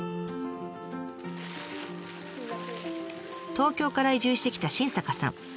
東京から移住してきた新坂さん。